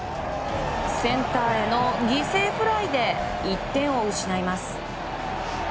センターへの犠牲フライで１点を失います。